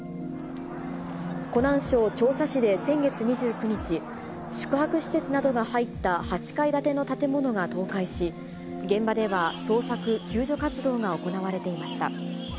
湖南省長沙市で先月２９日、宿泊施設などが入った８階建ての建物が倒壊し、現場では捜索、救助活動が行われていました。